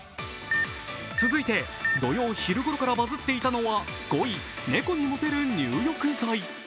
続いて土曜昼ごろからバズっていたのは５位、猫にモテる入浴剤。